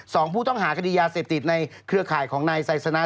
สองผู้ต้องหาคดียาเสพติดในเครือข่ายของนายไซสนะ